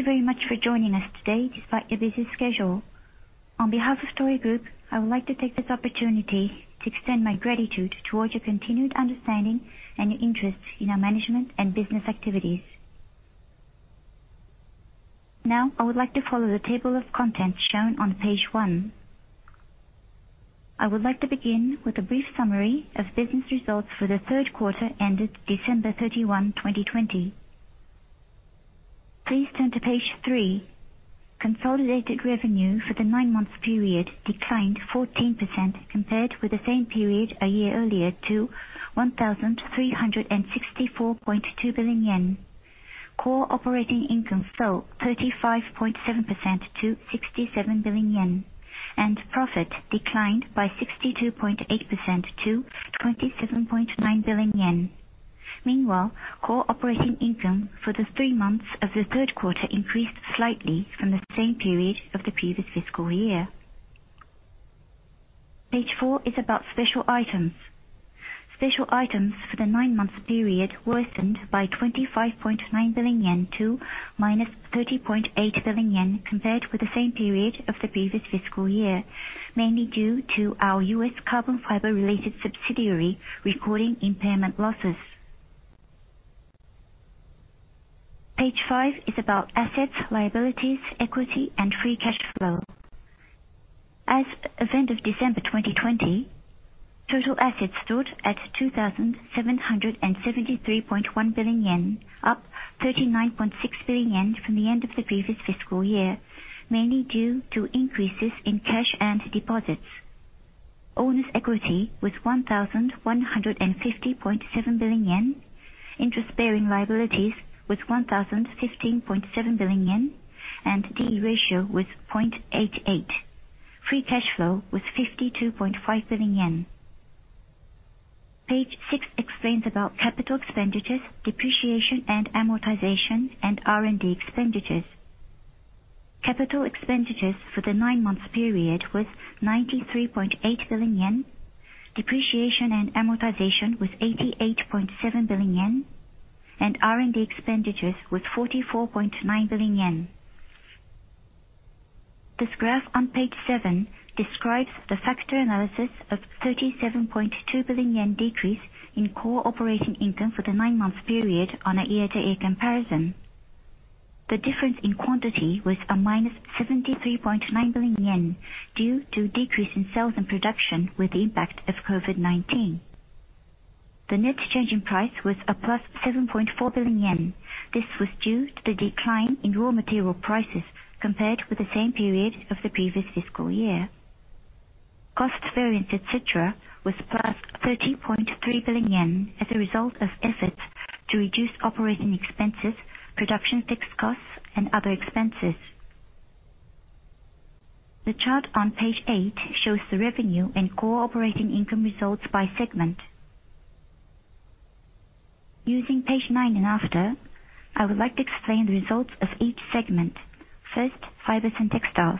Thank you very much for joining us today despite your busy schedule. On behalf of Toray Group, I would like to take this opportunity to extend my gratitude towards your continued understanding and your interest in our management and business activities. Now, I would like to follow the table of contents shown on page one. I would like to begin with a brief summary of business results for the third quarter ended December 31, 2020. Please turn to page three. Consolidated revenue for the nine months period declined 14% compared with the same period a year earlier to 1.364 trillion yen. Core operating income fell 35.7% to 67 billion yen, and profit declined by 62.8% to 27.9 billion yen. Meanwhile, core operating income for the three months of the third quarter increased slightly from the same period of the previous fiscal year. Page four is about special items. Special items for the nine months period worsened by 25.9 billion yen to -30.8 billion yen compared with the same period of the previous fiscal year, mainly due to our U.S. Carbon Fiber related subsidiary recording impairment losses. Page five is about assets, liabilities, equity, and free cash flow. As of end of December 2020, total assets stood at 2.773 trillion yen, up 39.6 billion yen from the end of the previous fiscal year, mainly due to increases in cash and deposits. Owner's equity was JPY 1.150 trillion. Interest-bearing liabilities was 1.015 trillion yen. D/E ratio was 0.88. Free cash flow was 52.5 billion yen. Page six explains about capital expenditures, depreciation and amortization, and R&D expenditures. Capital expenditures for the nine months period was 93.8 billion yen. Depreciation and amortization was 88.7 billion yen. R&D expenditures was 44.9 billion yen. This graph on page seven describes the factor analysis of 37.2 billion yen decrease in core operating income for the nine months period on a year-over-year comparison. The difference in quantity was a -73.9 billion yen due to decrease in sales and production with the impact of COVID-19. The net change in price was a +7.4 billion yen. This was due to the decline in raw material prices compared with the same period of the previous fiscal year. Cost variance, et cetera, was +30.3 billion yen as a result of efforts to reduce operating expenses, production fixed costs, and other expenses. The chart on page eight shows the revenue and core operating income results by segment. Using page nine and after, I would like to explain the results of each segment. First, Fibers & Textiles.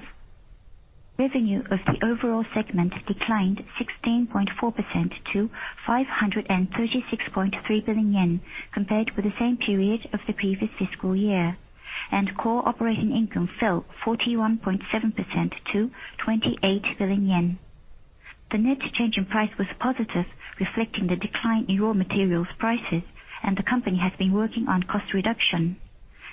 Revenue of the overall segment declined 16.4% to 536.3 billion yen compared with the same period of the previous fiscal year, and core operating income fell 41.7% to 28 billion yen. The net change in price was positive, reflecting the decline in raw materials prices, and the company has been working on cost reduction.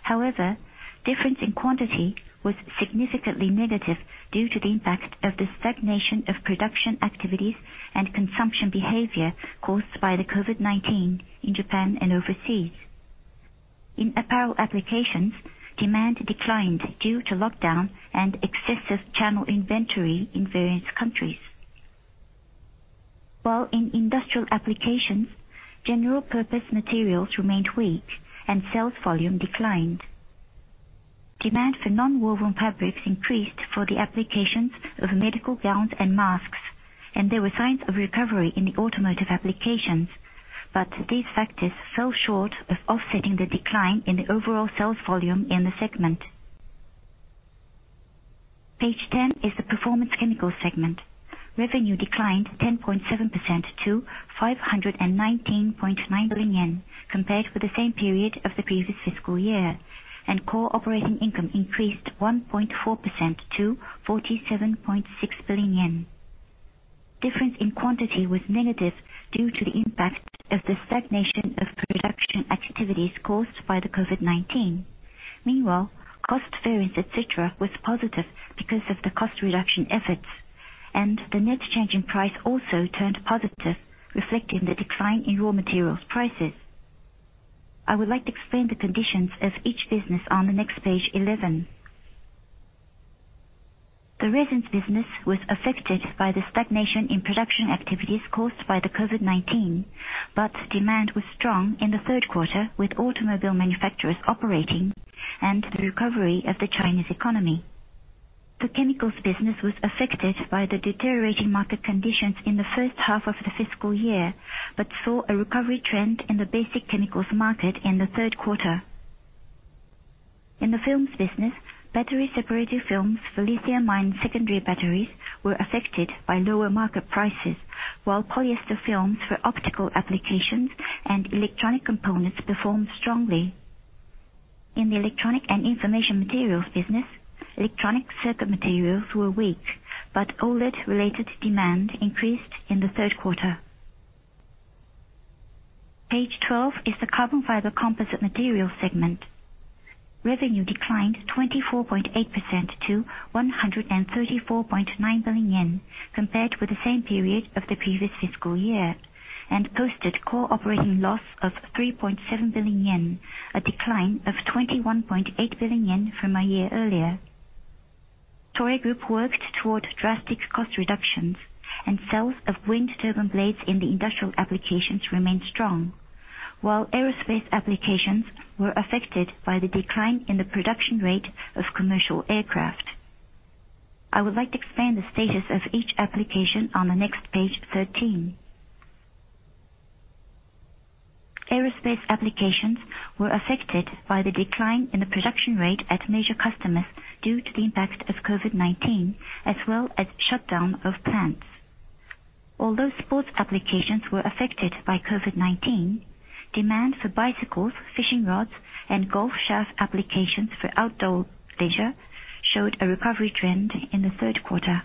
However, difference in quantity was significantly negative due to the impact of the stagnation of production activities and consumption behavior caused by the COVID-19 in Japan and overseas. In apparel applications, demand declined due to lockdown and excessive channel inventory in various countries. While in industrial applications, general purpose materials remained weak, and sales volume declined. Demand for nonwoven fabrics increased for the applications of medical gowns and masks, and there were signs of recovery in the automotive applications. These factors fell short of offsetting the decline in the overall sales volume in the segment. Page 10 is the Performance Chemicals segment. Revenue declined 10.7% to 519.9 billion yen compared with the same period of the previous fiscal year, and core operating income increased 1.4% to 47.6 billion yen. Difference in quantity was negative due to the impact of the stagnation of production activities caused by the COVID-19. Meanwhile, cost variance, et cetera, was positive because of the cost reduction efforts, and the net change in price also turned positive, reflecting the decline in raw materials prices. I would like to explain the conditions of each business on the next page, 11. The resins business was affected by the stagnation in production activities caused by the COVID-19, but demand was strong in the third quarter with automobile manufacturers operating and the recovery of the Chinese economy. The chemicals business was affected by the deteriorating market conditions in the first half of the fiscal year, but saw a recovery trend in the basic chemicals market in the third quarter. In the films business, battery separator films for lithium-ion secondary batteries were affected by lower market prices. While polyester films for optical applications and electronic components performed strongly. In the electronic and information materials business, electronic circuit materials were weak, but OLED-related demand increased in the third quarter. Page 12 is the Carbon Fiber Composite Materials segment. Revenue declined 24.8% to 134.9 billion yen compared with the same period of the previous fiscal year, and posted core operating loss of 3.7 billion yen, a decline of ¥21.8 billion from a year earlier. Toray Group worked toward drastic cost reductions and sales of wind turbine blades in the industrial applications remained strong. While aerospace applications were affected by the decline in the production rate of commercial aircraft. I would like to explain the status of each application on the next page 13. Aerospace applications were affected by the decline in the production rate at major customers due to the impact of COVID-19, as well as shutdown of plants. Although sports applications were affected by COVID-19, demand for bicycles, fishing rods, and golf shaft applications for outdoor leisure showed a recovery trend in the third quarter.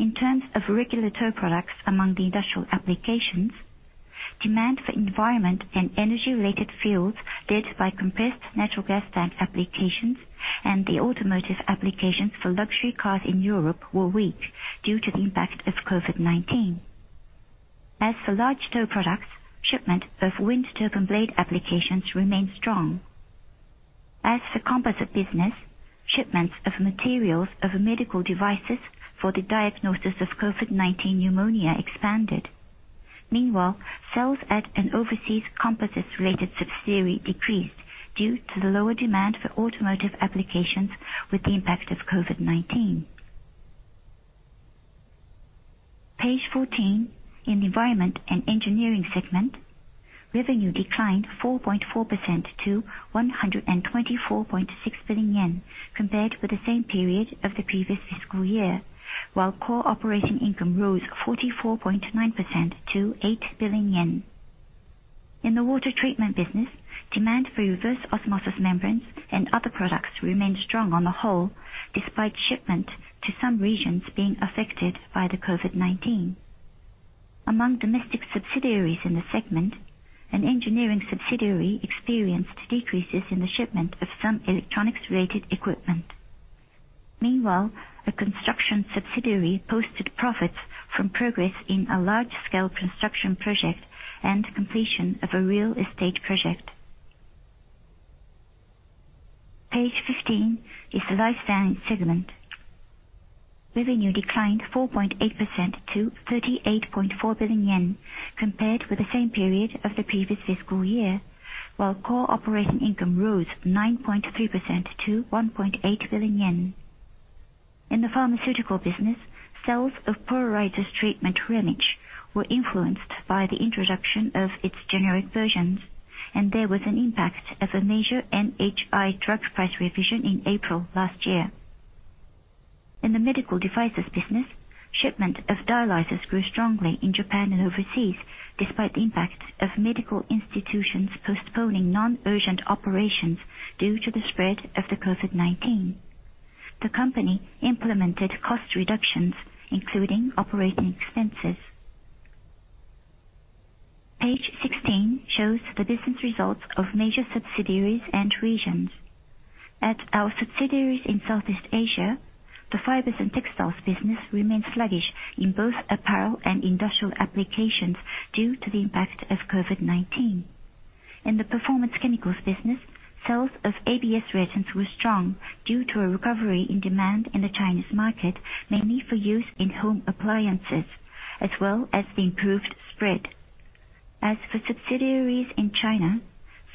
In terms of regular tow products among the industrial applications, demand for Environment & Engineering-related fields led by compressed natural gas tank applications and the automotive applications for luxury cars in Europe were weak due to the impact of COVID-19. As for large tow products, shipment of wind turbine blade applications remained strong. As for composite business, shipments of materials of medical devices for the diagnosis of COVID-19 pneumonia expanded. Meanwhile, sales at an overseas composites-related subsidiary decreased due to the lower demand for automotive applications with the impact of COVID-19. Page 14. In the Environment & Engineering segment, revenue declined 4.4% to 124.6 billion yen compared with the same period of the previous fiscal year, while core operating income rose 44.9% to 8 billion yen. In the water treatment business, demand for reverse osmosis membranes and other products remained strong on the whole, despite shipment to some regions being affected by the COVID-19. Among domestic subsidiaries in the segment, an engineering subsidiary experienced decreases in the shipment of some electronics-related equipment. Meanwhile, a construction subsidiary posted profits from progress in a large-scale construction project and completion of a real estate project. Page 15 is the Life Science segment. Revenue declined 4.8% to 38.4 billion yen compared with the same period of the previous fiscal year, while core operating income rose 9.3% to 1.8 billion yen. In the pharmaceutical business, sales of pruritus treatment REMITCH were influenced by the introduction of its generic versions, and there was an impact of a major NHI drug price revision in April last year. In the medical devices business, shipment of dialyzers grew strongly in Japan and overseas, despite the impact of medical institutions postponing non-urgent operations due to the spread of the COVID-19. The company implemented cost reductions, including operating expenses. Page 16 shows the business results of major subsidiaries and regions. At our subsidiaries in Southeast Asia, the Fibers & Textiles business remained sluggish in both apparel and industrial applications due to the impact of COVID-19. In the Performance Chemicals business, sales of ABS resins were strong due to a recovery in demand in the Chinese market, mainly for use in home appliances, as well as the improved spread. As for subsidiaries in China,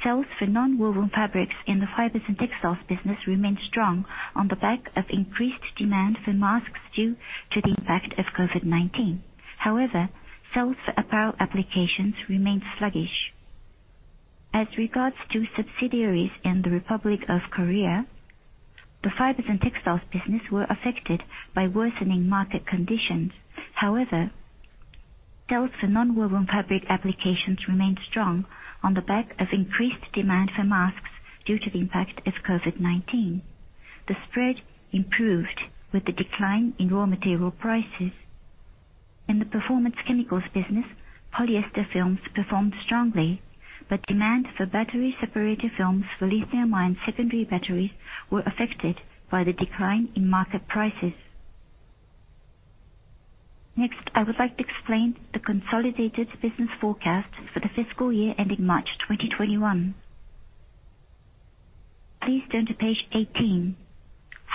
sales for nonwoven fabrics in the Fibers & Textiles business remained strong on the back of increased demand for masks due to the impact of COVID-19. However, sales for apparel applications remained sluggish. As regards to subsidiaries in the Republic of Korea, the Fibers & Textiles business were affected by worsening market conditions. However, sales for nonwoven fabric applications remained strong on the back of increased demand for masks due to the impact of COVID-19. The spread improved with the decline in raw material prices. In the Performance Chemicals business, polyester films performed strongly, but demand for battery separator films for lithium-ion secondary batteries were affected by the decline in market prices. Next, I would like to explain the consolidated business forecast for the fiscal year ending March 2021. Please turn to page 18.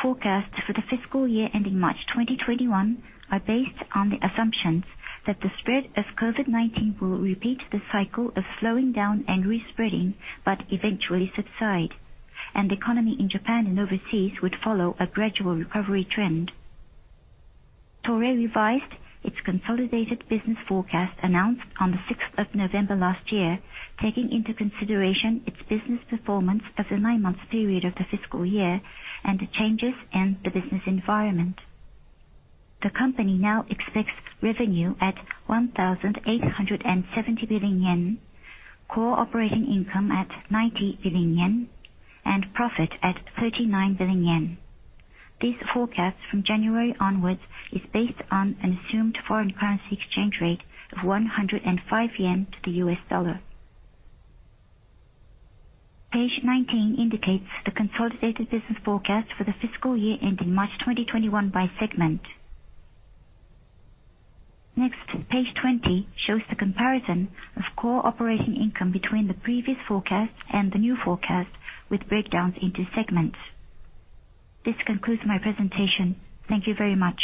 Forecasts for the fiscal year ending March 2021 are based on the assumptions that the spread of COVID-19 will repeat the cycle of slowing down and re-spreading, but eventually subside, and the economy in Japan and overseas would follow a gradual recovery trend. Toray revised its consolidated business forecast announced on the sixth of November last year, taking into consideration its business performance of the nine-month period of the fiscal year and the changes in the business environment. The company now expects revenue at 1.870 trillion yen, core operating income at 90 billion yen, and profit at 39 billion yen. This forecast from January onwards is based on an assumed foreign currency exchange rate of 105 yen to the US dollar. Page 19 indicates the consolidated business forecast for the fiscal year ending March 2021 by segment. Page 20 shows the comparison of core operating income between the previous forecast and the new forecast with breakdowns into segments. This concludes my presentation. Thank you very much.